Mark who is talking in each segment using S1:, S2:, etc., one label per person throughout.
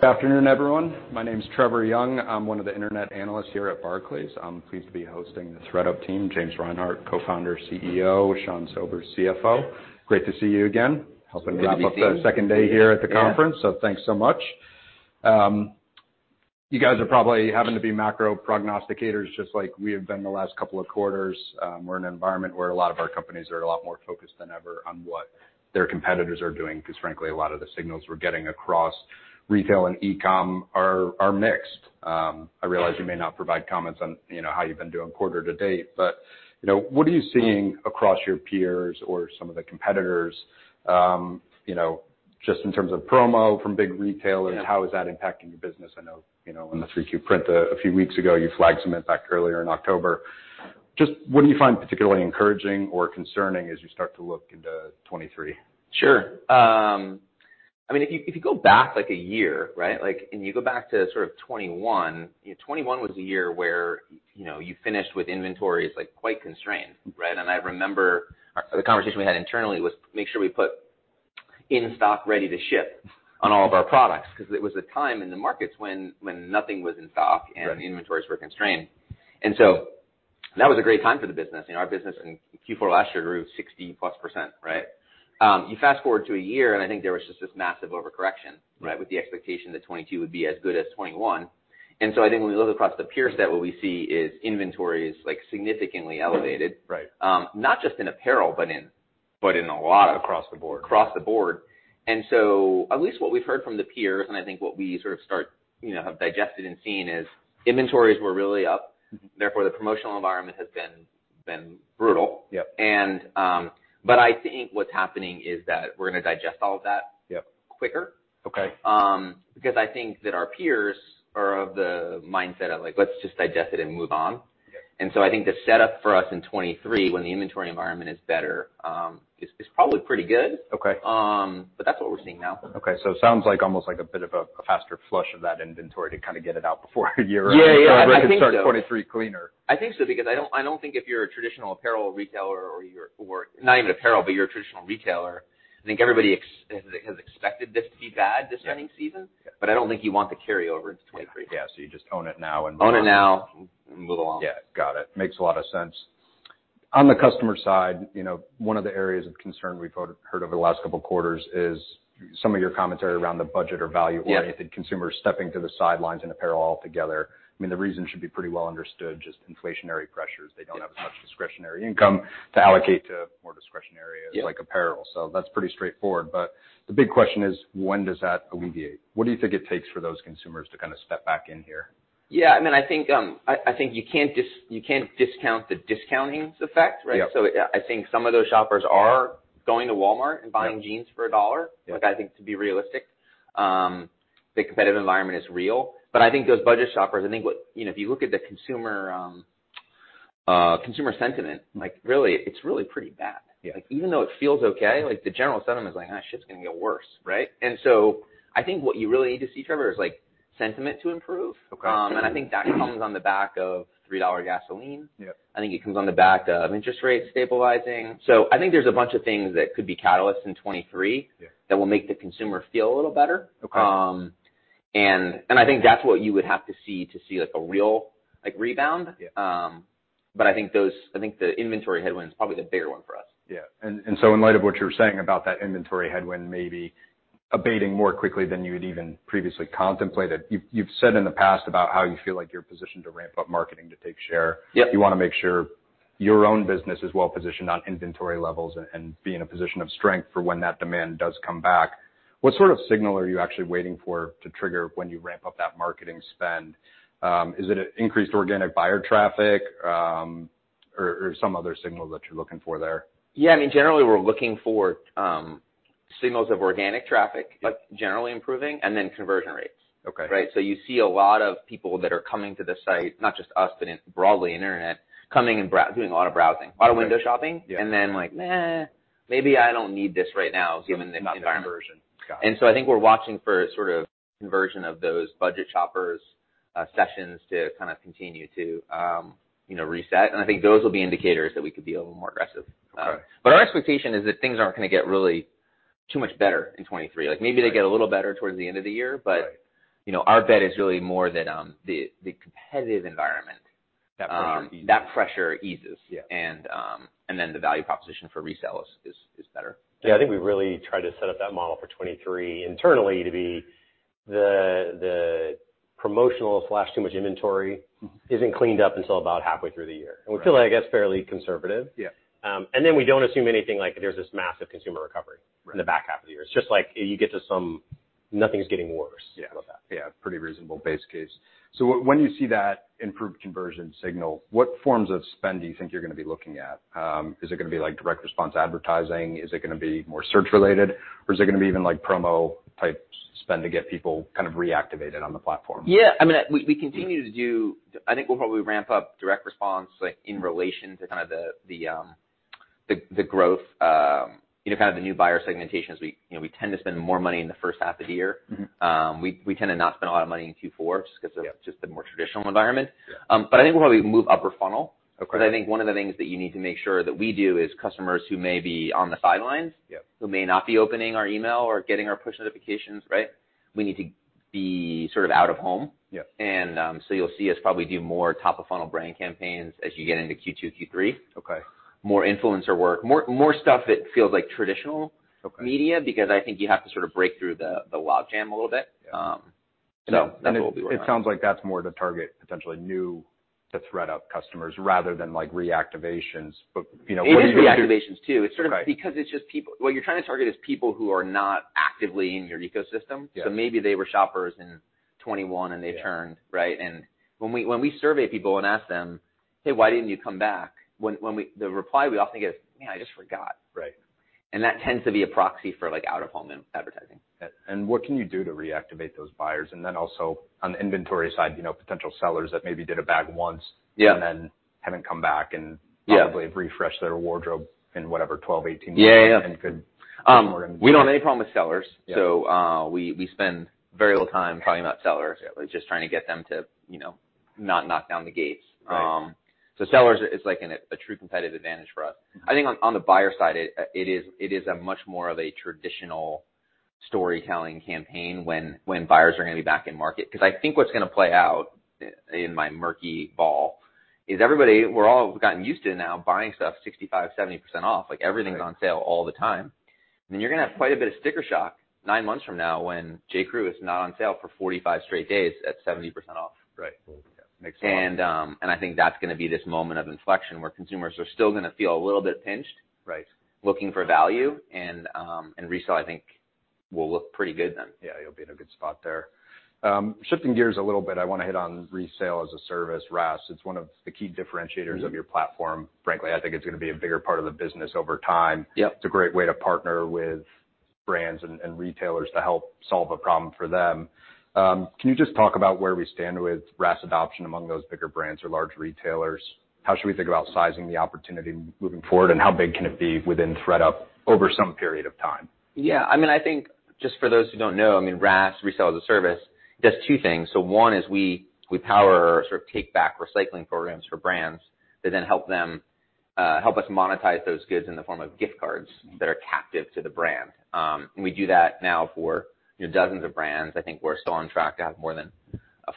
S1: Good afternoon, everyone. My name's Trevor Young. I'm one of the internet analysts here at Barclays. I'm pleased to be hosting the ThredUp team, James Reinhart, Co-founder, CEO, Sean Sobers, CFO. Great to see you again.
S2: Good to see you.
S1: Helping wrap up the second day here at the conference.
S2: Yeah.
S1: Thanks so much. You guys are probably having to be macro prognosticators just like we have been the last couple of quarters. We're in an environment where a lot of our companies are a lot more focused than ever on what their competitors are doing because, frankly, a lot of the signals we're getting across retail and e-com are mixed. I realize you may not provide comments on how you've been doing quarter to date, but what are you seeing across your peers or some of the competitors just in terms of promo from big retailers?
S2: Yeah.
S1: How is that impacting your business? I know on the 3Q print a few weeks ago, you flagged some impact earlier in October. What do you find particularly encouraging or concerning as you start to look into 2023?
S2: Sure. I mean, if you, if you go back, like, a year, right? Like, you go back to sort of '21 '21 was a year where you finished with inventories, like, quite constrained, right? I remember the conversation we had internally was make sure we put in stock ready to ship on all of our products because it was a time in the markets when nothing was in stock and inventories were constrained. That was a great time for the business. You know, our business in Q4 last year grew 60%+, right? You fast-forward to a year, I think there was just this massive overcorrection.
S1: Right.
S2: With the expectation that 2022 would be as good as 2021. I think when we look across the peer set, what we see is inventories, like, significantly elevated not just in apparel, but in a lot of across the board. At least what we've heard from the peers, and I think what we sort of have digested and seen is inventories were really up. Therefore, the promotional environment has been brutal.
S1: Yep.
S2: I think what's happening is that we're gonna digest all of that.
S1: Yep...
S2: quicker.
S1: Okay.
S2: I think that our peers are of the mindset of, like, let's just digest it and move on.
S1: Yeah.
S2: I think the setup for us in 2023 when the inventory environment is better, is probably pretty good.
S1: Okay.
S2: That's what we're seeing now.
S1: Okay. It sounds like almost like a bit of a faster flush of that inventory to kind of get it out before year end.
S2: Yeah. Yeah. I think so.
S1: Everybody can start 2023 cleaner.
S2: I think so because I don't think if you're a traditional apparel retailer or you're or not even apparel, but you're a traditional retailer, I think everybody has expected this to be bad.
S1: Yeah...
S2: spending season.
S1: Yeah.
S2: I don't think you want the carryover into 2023.
S1: Yeah. You just own it now and move on.
S2: Own it now.
S1: Move along. Yeah. Got it. Makes a lot of sense. On the customer side one of the areas of concern we've heard over the last couple quarters is some of your commentary around the budget or value-oriented-
S2: Yeah...
S1: consumers stepping to the sidelines in apparel altogether. I mean, the reason should be pretty well understood, just inflationary pressures.
S2: Yeah.
S1: They don't have as much discretionary income to allocate to more discretionary-
S2: Yeah...
S1: like apparel. That's pretty straightforward. The big question is, when does that alleviate? What do you think it takes for those consumers to kind of step back in here?
S2: Yeah. I mean, I think you can't discount the discountings effect, right?
S1: Yeah.
S2: I think some of those shoppers are going to Walmart and buying jeans for $1.
S1: Yeah.
S2: Like, I think to be realistic, the competitive environment is real. I think those budget shoppers, I think you know, if you look at the consumer sentiment, like, really, it's really pretty bad.
S1: Yeah.
S2: Like, even though it feels okay, like, the general sentiment is like, "shift's gonna get worse." Right? I think what you really need to see, Trevor, is, like, sentiment to improve.
S1: Okay.
S2: I think that comes on the back of $3 gasoline.
S1: Yeah.
S2: I think it comes on the back of interest rates stabilizing. I think there's a bunch of things that could be catalysts in 2023.
S1: Yeah
S2: that will make the consumer feel a little better.
S1: Okay.
S2: I think that's what you would have to see to see, like, a real, like, rebound.
S1: Yeah.
S2: I think the inventory headwind's probably the bigger one for us.
S1: Yeah. In light of what you're saying about that inventory headwind maybe abating more quickly than you had even previously contemplated, you've said in the past about how you feel like you're positioned to ramp up marketing to take share.
S2: Yep.
S1: You wanna make sure your own business is well positioned on inventory levels and be in a position of strength for when that demand does come back. What sort of signal are you actually waiting for to trigger when you ramp up that marketing spend? Is it an increased organic buyer traffic, or some other signal that you're looking for there?
S2: Yeah. I mean, generally, we're looking for, signals of organic traffic-
S1: Yep...
S2: like, generally improving, and then conversion rates.
S1: Okay.
S2: Right? You see a lot of people that are coming to the site, not just us, but broadly internet, coming and doing a lot of browsing.
S1: Okay.
S2: A lot of window shopping.
S1: Yeah.
S2: Then like, "Nah, maybe I don't need this right now given the environment.
S1: Not the conversion. Got it.
S2: I think we're watching for sort of conversion of those budget shoppers' sessions to kind of continue to reset. I think those will be indicators that we could be a little more aggressive.
S1: Okay.
S2: Our expectation is that things aren't gonna get really too much better in 2023.
S1: Right.
S2: Like, maybe they get a little better towards the end of the year.
S1: Right...
S2: but our bet is really more that, the competitive environment-
S1: That pressure eases.
S2: that pressure eases.
S1: Yeah.
S2: The value proposition for resale is better.
S1: Yeah.
S2: I think we really try to set up that model for 2023 internally to be the promotional/too much inventory isn't cleaned up until about halfway through the year.
S1: Right.
S2: We feel like that's fairly conservative.
S1: Yeah.
S2: We don't assume anything like there's this massive consumer recovery.
S1: Right
S2: in the back half of the year. It's just like you get to some, nothing's getting worse.
S1: Yeah.
S2: How about that?
S1: Yeah. Pretty reasonable base case. When you see that improved conversion signal, what forms of spend do you think you're gonna be looking at? Is it gonna be, like, direct response advertising? Is it gonna be more search related, or is it gonna be even, like, promo type spend to get people kind of reactivated on the platform?
S2: I mean, we continue. I think we'll probably ramp up direct response, like, in relation to kind of the growth kind of the new buyer segmentation as we we tend to spend more money in the first half of the year.
S1: Mm-hmm.
S2: We tend to not spend a lot of money in Q4 just 'cause.
S1: Yeah...
S2: just the more traditional environment.
S1: Yeah.
S2: I think we'll probably move upper funnel.
S1: Okay.
S2: I think one of the things that you need to make sure that we do is customers who may be on the sidelines.
S1: Yeah...
S2: who may not be opening our email or getting our push notifications, right? We need to be sort of out of home.
S1: Yeah.
S2: You'll see us probably do more top-of-funnel brand campaigns as you get into Q2, Q3.
S1: Okay.
S2: More influencer work, more stuff that feels like traditional-
S1: Okay
S2: media, because I think you have to sort of break through the logjam a little bit. That's what we'll be working on.
S1: It sounds like that's more to target potentially new to ThredUp customers rather than like reactivations. You know, what do you?
S2: It is reactivations too.
S1: Okay.
S2: It's sort of because it's just people... What you're trying to target is people who are not actively in your ecosystem.
S1: Yeah.
S2: Maybe they were shoppers in 2021, and they turned, right?
S1: Yeah.
S2: When we survey people and ask them, "Hey, why didn't you come back?" When we The reply we often get is, "Man, I just forgot.
S1: Right.
S2: That tends to be a proxy for, like, out-of-home advertising.
S1: What can you do to reactivate those buyers? Also on the inventory side potential sellers that maybe did a bag once.
S2: Yeah
S1: haven't come back.
S2: Yeah...
S1: probably have refreshed their wardrobe in whatever, 12, 18 months.
S2: Yeah. Yeah.
S1: could
S2: We don't have any problem with sellers.
S1: Yeah.
S2: We spend very little time talking about sellers.
S1: Yeah.
S2: We're just trying to get them to not knock down the gates. Sellers is like an, a true competitive advantage for us. I think on the buyer side, it is a much more of a traditional storytelling campaign when buyers are gonna be back in market. 'Cause I think what's gonna play out in my murky ball is everybody-- we're all gotten used to now buying stuff 65%, 70% off, like everything's-
S1: Right...
S2: on sale all the time. You're gonna have quite a bit of sticker shock nine months from now when J.Crew is not on sale for 45 straight days at 70% off.
S1: Right. Makes sense.
S2: I think that's gonna be this moment of inflection where consumers are still gonna feel a little bit pinched-.
S1: Right...
S2: looking for value, and resell, I think, will look pretty good then.
S1: You'll be in a good spot there. Shifting gears a little bit, I wanna hit on Resale-as-a-Service, RaaS. It's one of the key differentiators of your platform. Frankly, I think it's gonna be a bigger part of the business over time.
S2: Yep.
S1: It's a great way to partner with brands and retailers to help solve a problem for them. Can you just talk about where we stand with RaaS adoption among those bigger brands or large retailers? How should we think about sizing the opportunity moving forward, and how big can it be within ThredUp over some period of time?
S2: Yeah. I mean, I think just for those who don't know, I mean, RaaS, Resale-as-a-Service, does 2 things. 1 is we power sort of take-back recycling programs for brands that then help them, help us monetize those goods in the form of gift cards that are captive to the brand. We do that now for dozens of brands. I think we're still on track to have more than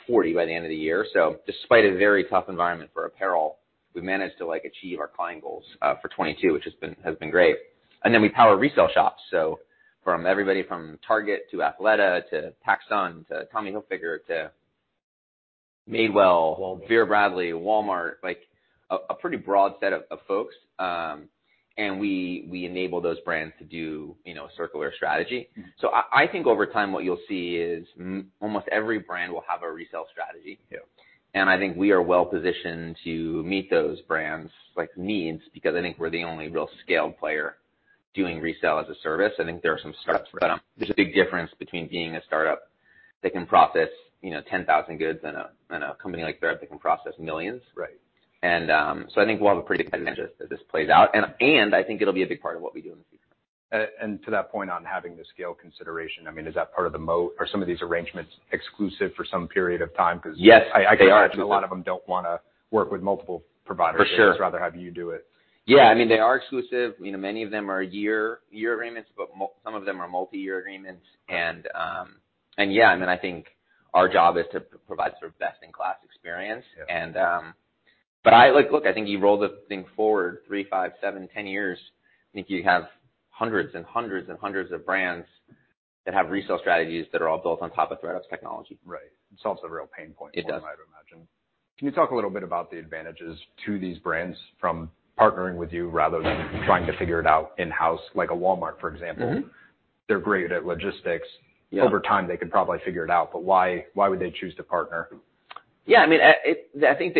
S2: 40 by the end of the year. Despite a very tough environment for apparel, we managed to, like, achieve our client goals for 2022, which has been great. We power resale shops, so from everybody from Target to Athleta to PacSun to Tommy Hilfiger to Madewell, Vera Bradley, Walmart, like a pretty broad set of folks. We enable those brands to do circular strategy.
S1: Mm-hmm.
S2: I think over time, what you'll see is almost every brand will have a resale strategy.
S1: Yeah.
S2: I think we are well positioned to meet those brands', like, needs because I think we're the only real scaled player doing Resale-as-a-Service. I think there are some startups, but there's a big difference between being a startup that can process 10,000 goods and a company like ThredUp that can process millions.
S1: Right.
S2: I think we'll have a pretty good advantage as this plays out. I think it'll be a big part of what we do in the future.
S1: To that point on having the scale consideration, I mean, is that part of the arrangements exclusive for some period of time?
S2: Yes, they are exclusive....
S1: I could imagine a lot of them don't wanna work with multiple providers.
S2: For sure.
S1: They just rather have you do it.
S2: Yeah. I mean, they are exclusive. You know, many of them are year agreements, but some of them are multi-year agreements. Yeah, I mean, I think our job is to provide sort of best-in-class experience.
S1: Yeah.
S2: Like, look, I think you roll the thing forward 3, 5, 7, 10 years, I think you have hundreds and hundreds and hundreds of brands that have resale strategies that are all built on top of ThredUp's technology.
S1: Right. It solves a real pain point for them.
S2: It does.
S1: I would imagine. Can you talk a little bit about the advantages to these brands from partnering with you rather than trying to figure it out in-house, like a Walmart, for example?
S2: Mm-hmm.
S1: They're great at logistics.
S2: Yeah.
S1: Over time, they could probably figure it out, but why would they choose to partner?
S2: Yeah, I mean, I think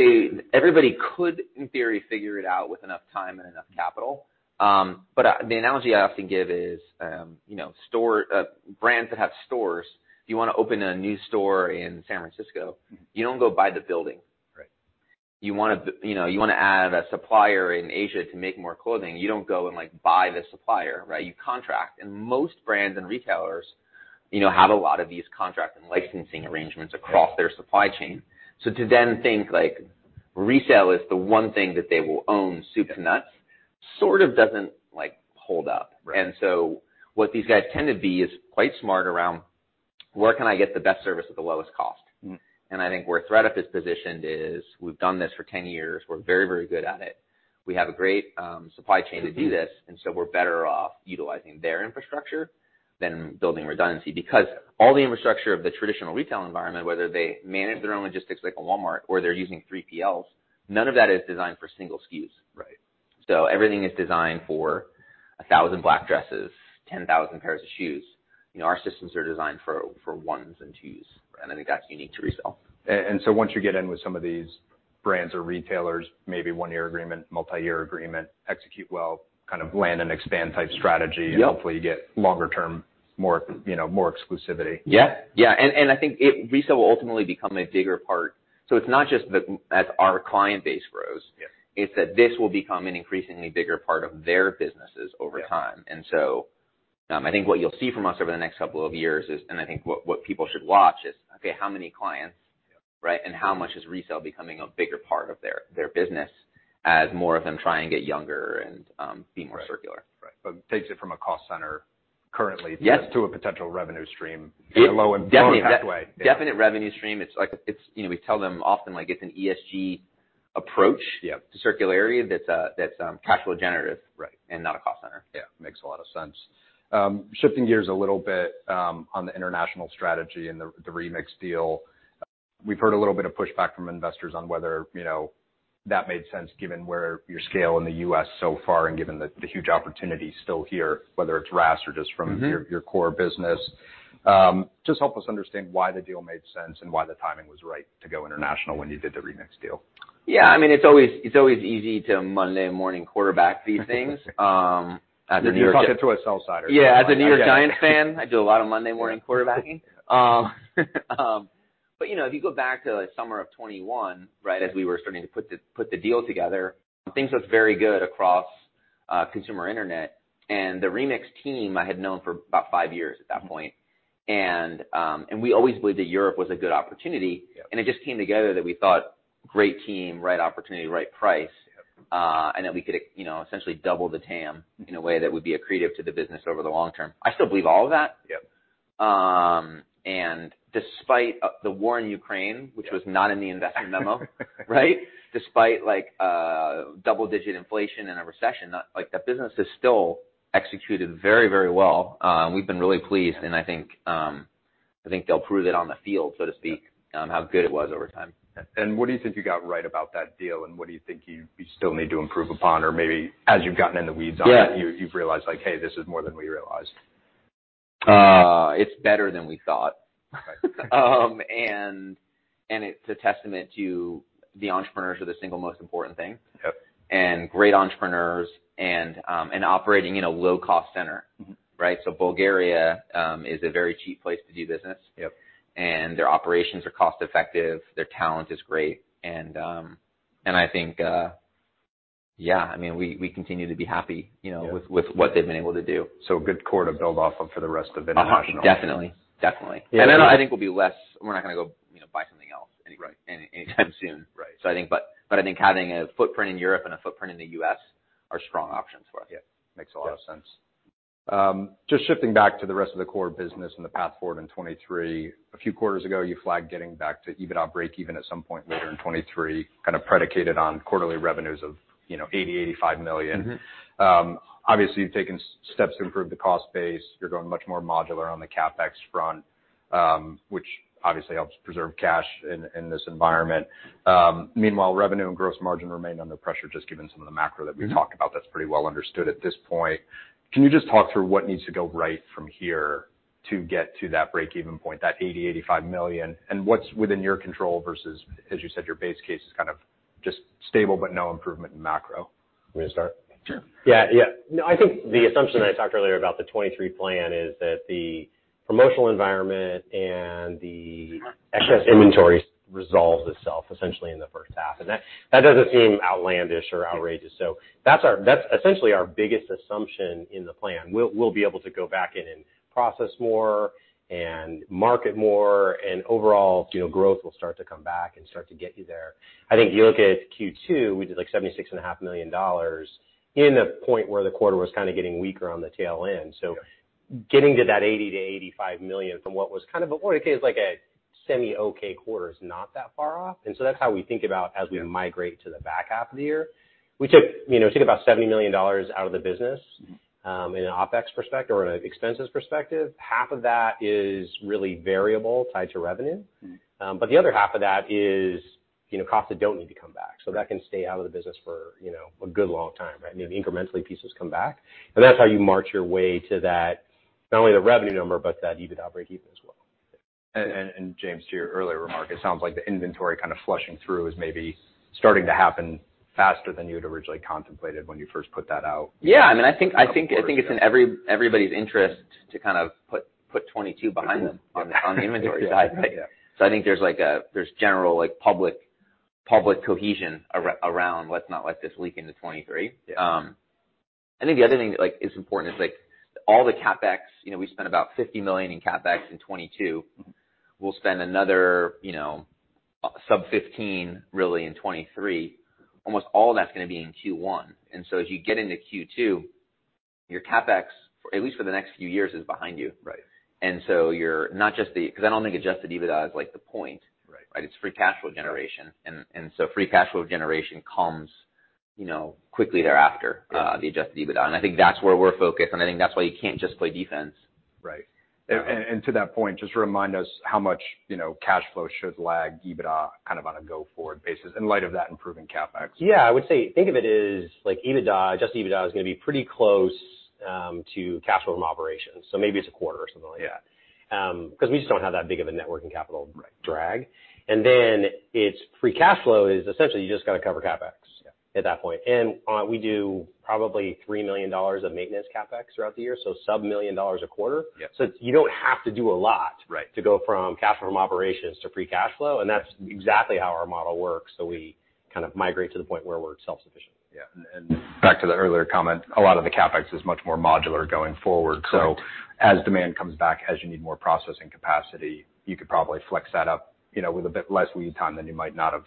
S2: everybody could, in theory, figure it out with enough time and enough capital. The analogy I often give is brands that have stores, if you want to open a new store in San Francisco...
S1: Mm-hmm...
S2: you don't go buy the building.
S1: Right.
S2: You wanna you know, you wanna add a supplier in Asia to make more clothing, you don't go and, like, buy the supplier, right? You contract. Most brands and retailers have a lot of these contract and licensing arrangements across their supply chain. To then think, like, resale is the one thing that they will own soup to nuts, sort of doesn't, like, hold up.
S1: Right.
S2: What these guys tend to be is quite smart around: Where can I get the best service at the lowest cost?
S1: Mm-hmm.
S2: I think where ThredUp is positioned is, we've done this for 10 years. We're very, very good at it. We have a great supply chain to do this, we're better off utilizing their infrastructure than building redundancy, because all the infrastructure of the traditional retail environment, whether they manage their own logistics like a Walmart or they're using 3PLs, none of that is designed for single SKUs.
S1: Right.
S2: Everything is designed for 1,000 black dresses, 10,000 pairs of shoes. You know, our systems are designed for ones and twos, and I think that's unique to resale.
S1: Once you get in with some of these brands or retailers, maybe 1-year agreement, multi-year agreement, execute well, kind of land and expand type strategy.
S2: Yep
S1: Hopefully you get longer term, more more exclusivity.
S2: Yeah. Yeah. I think resale will ultimately become a bigger part. It's not just the, as our client base grows-
S1: Yeah...
S2: it's that this will become an increasingly bigger part of their businesses over time.
S1: Yeah.
S2: I think what you'll see from us over the next couple of years is, and I think what people should watch, is, how many clients, right, and how much is resale becoming a bigger part of their business as more of them try and get younger and be more circular?
S1: Right. takes it from a cost center currently.
S2: Yes...
S1: to a potential revenue stream in a low.
S2: Definite...
S1: way. Yeah.
S2: Definite revenue stream. it's we tell them often, like, it's an ESG approach.
S1: Yeah...
S2: to circularity that's cash flow generative.
S1: Right...
S2: and not a cost center.
S1: Yeah. Makes a lot of sense. Shifting gears a little bit on the international strategy and the Remix deal. We've heard a little bit of pushback from investors on whether that made sense given where your scale in the U.S. so far and given the huge opportunity still here, whether it's RaaS or just.
S2: Mm-hmm...
S1: your core business. Just help us understand why the deal made sense and why the timing was right to go international when you did the Remix deal.
S2: Yeah, I mean, it's always, it's always easy to Monday morning quarterback these things.
S1: You talk it to a sell-sider.
S2: Yeah. As a New York Giants fan, I do a lot of Monday morning quarterbacking. You know, if you go back to the summer of 2021, right, as we were starting to put the deal together, things looked very good across consumer internet. The Remix team, I had known for about five years at that point. We always believed that Europe was a good opportunity.
S1: Yeah.
S2: It just came together that we thought, great team, right opportunity, right price.
S1: Yeah.
S2: That we could essentially double the TAM in a way that would be accretive to the business over the long term. I still believe all of that.
S1: Yeah.
S2: Despite the war in Ukraine, which was not in the investment memo. Right? Despite like, double-digit inflation and a recession, like, the business has still executed very, very well. We've been really pleased.
S1: Yeah.
S2: I think they'll prove it on the field, so to speak.
S1: Yeah
S2: how good it was over time.
S1: What do you think you got right about that deal, and what do you think you still need to improve upon? Maybe as you've gotten in the weeds on it.
S2: Yeah...
S1: you've realized like, "Hey, this is more than we realized.
S2: it's better than we thought.
S1: Right.
S2: It's a testament to the entrepreneurs are the single most important thing.
S1: Yep.
S2: Great entrepreneurs and operating in a low cost center.
S1: Mm-hmm.
S2: Bulgaria is a very cheap place to do business.
S1: Yep.
S2: Their operations are cost effective. Their talent is great, and I think, yeah, I mean, we continue to be happy, you know.
S1: Yeah...
S2: with what they've been able to do.
S1: A good core to build off of for the rest of international.
S2: Definitely.
S1: Yeah.
S2: I think we'll be less... We're not gonna go buy something else any-
S1: Right...
S2: anytime soon.
S1: Right.
S2: I think... I think having a footprint in Europe and a footprint in the US are strong options for us.
S1: Makes a lot of sense. Just shifting back to the rest of the core business and the path forward in 2023. A few quarters ago, you flagged getting back to EBITDA breakeven at some point later in 2023, kind of predicated on quarterly revenues of $80 million-$85 million. Obviously, you've taken steps to improve the cost base. You're going much more modular on the CapEx front, which obviously helps preserve cash in this environment. Meanwhile, revenue and gross margin remain under pressure, just given some of the macro that we've talked about. That's pretty well understood at this point. Can you just talk through what needs to go right from here to get to that break-even point, that $80 million-$85 million, and what's within your control versus, as you said, your base case is kind of just stable but no improvement in macro?
S2: You want me to start?
S1: Sure.
S2: Yeah. Yeah. No, I think the assumption I talked earlier about the 2023 plan is that the promotional environment and the excess inventory resolves itself essentially in the first half. That doesn't seem outlandish or outrageous.
S1: Yeah.
S2: That's our, that's essentially our biggest assumption in the plan. We'll be able to go back in and process more and market more, and overall growth will start to come back and start to get you there. I think if you look at Q2, we did, like, seventy-six and a half million dollars in a point where the quarter was kinda getting weaker on the tail end.
S1: Yeah.
S2: Getting to that $80 million-$85 million from what is like a semi-okay quarter is not that far off. That's how we think about as we migrate to the back half of the year. We took about $70 million out of the business in an OpEx perspective or an expenses perspective. Half of that is really variable, tied to revenue. The other half of that is costs that don't need to come back.
S1: Right.
S2: That can stay out of the business for a good long time, right? Maybe incrementally pieces come back. That's how you march your way to that, not only the revenue number, but that EBITDA breakeven as well.
S1: James, to your earlier remark, it sounds like the inventory kind of flushing through is maybe starting to happen faster than you had originally contemplated when you first put that out.
S2: I mean, I think it's in everybody's interest to kind of put 2022 behind them on the inventory side.
S1: Yeah.
S2: I think there's general, like, public cohesion around, "Let's not let this leak into 2023.
S1: Yeah.
S2: I think the other thing that, like, is important is, like, all the capex we spent about $50 million in CapEx in 2022.
S1: Mm-hmm.
S2: We'll spend another sub-15 really in 2023. Almost all of that's gonna be in Q1. As you get into Q2, your CapEx, at least for the next few years, is behind you.
S1: Right.
S2: You're not just the... 'Cause I don't think adjusted EBITDA is, like, the point.
S1: Right.
S2: Right? It's free cash flow generation. Free cash flow generation comes quickly thereafter.
S1: Yeah...
S2: the adjusted EBITDA. I think that's where we're focused, and I think that's why you can't just play defense.
S1: Right.
S2: Yeah.
S1: To that point, just remind us how much cash flow should lag EBITDA kind of on a go-forward basis in light of that improving CapEx.
S2: Yeah. I would say think of it as like EBITDA, adjusted EBITDA is gonna be pretty close, to cash flow from operations. Maybe it's a quarter or something like that.
S1: Yeah.
S2: 'Cause we just don't have that big of a net working capital drag.
S1: Right.
S2: Its free cash flow is essentially you just gotta cover CapEx.
S1: Yeah
S2: at that point. We do probably $3 million of maintenance CapEx throughout the year, so sub-$1 million a quarter.
S1: Yeah.
S2: You don't have to do a lot to go from cash from operations to free cash flow. That's exactly how our model works. We kind of migrate to the point where we're self-sufficient.
S1: Yeah. Back to the earlier comment, a lot of the CapEx is much more modular going forward.
S2: Correct.
S1: As demand comes back, as you need more processing capacity, you could probably flex that up with a bit less lead time than you might not have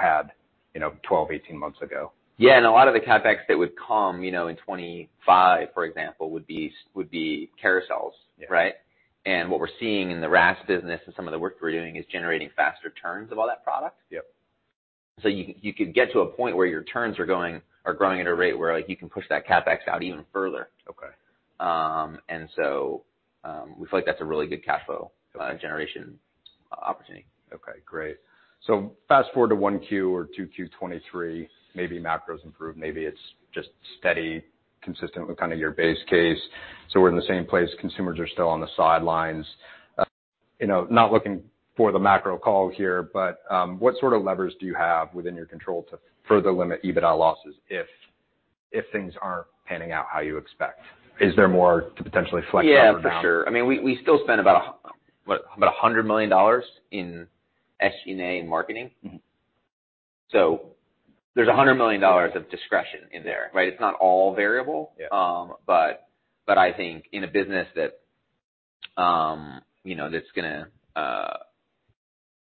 S1: had. You know, 12, 18 months ago.
S2: Yeah, a lot of the CapEx that would come in 25, for example, would be carousels.
S1: Yeah.
S2: Right. What we're seeing in the RaaS business and some of the work we're doing is generating faster turns of all that product.
S1: Yep.
S2: You could get to a point where your turns are growing at a rate where, like, you can push that CapEx out even further.
S1: Okay.
S2: we feel like that's a really good cash flow-
S1: Got it.
S2: generation opportunity.
S1: Okay, great. Fast-forward to 1Q or 2Q 2023, maybe macro's improved, maybe it's just steady, consistent with kinda your base case. We're in the same place, consumers are still on the sidelines. You know, not looking for the macro call here, but what sort of levers do you have within your control to further limit EBITDA losses if things aren't panning out how you expect? Is there more to potentially flex up or down?
S2: Yeah, for sure. I mean, we still spend about, what? About $100 million in SG&A and marketing. There's $100 million of discretion in there, right? It's not all variable.
S1: Yeah.
S2: I think in a business that that's gonna,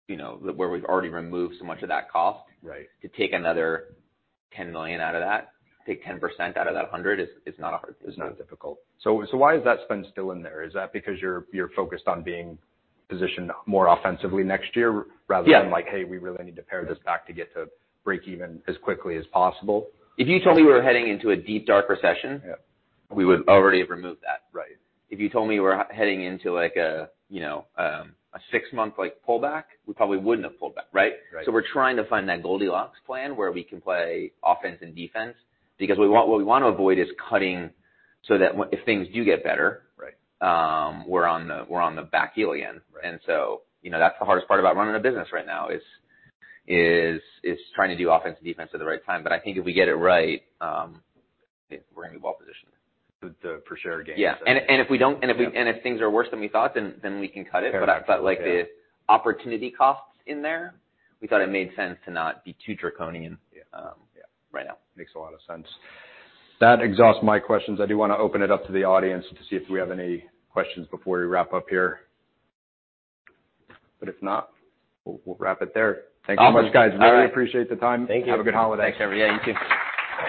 S2: you know where we've already removed so much of that cost to take another $10 million out of that, take 10% out of that $100 is not difficult.
S1: Why is that spend still in there? Is that because you're focused on being positioned more offensively next year rather than like, "Hey, we really need to pare this back to get to breakeven as quickly as possible"?
S2: If you told me we were heading into a deep, dark recession,
S1: Yeah
S2: we would already have removed that.
S1: Right.
S2: If you told me we're heading into like a a six-month, like, pullback, we probably wouldn't have pulled back, right?
S1: Right.
S2: We're trying to find that Goldilocks plan, where we can play offense and defense. What we wanna avoid is cutting so that if things do get better...
S1: Right
S2: We're on the back heel again.
S1: Right.
S2: you know, that's the hardest part about running a business right now, is trying to do offense and defense at the right time. I think if we get it right, we're gonna be well-positioned.
S1: The per share gains.
S2: Yeah. If things are worse than we thought, then we can cut it.
S1: Pare back, yeah.
S2: I felt like the opportunity costs in there, we thought it made sense to not be too draconian right now.
S1: Makes a lot of sense. That exhausts my questions. I do want to open it up to the audience to see if we have any questions before we wrap up here. If not, we'll wrap it there.
S2: Awesome.
S1: Thank you so much, guys.
S2: All right.
S1: Really appreciate the time.
S2: Thank you.
S1: Have a good holiday.
S2: Thanks, Harry. Yeah, you too.